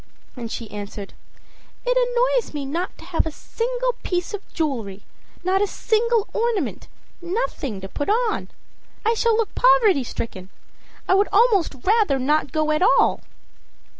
â And she answered: âIt annoys me not to have a single piece of jewelry, not a single ornament, nothing to put on. I shall look poverty stricken. I would almost rather not go at all.